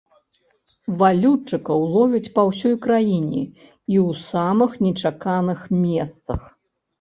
Валютчыкаў ловяць па ўсёй краіне і ў самых нечаканых месцах.